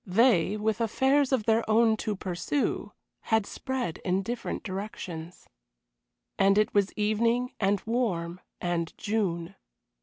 They, with affairs of their own to pursue, had spread in different directions. And it was evening, and warm, and June.